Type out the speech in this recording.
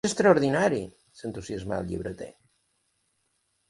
És extraordinari! —s'entusiasma el llibreter—.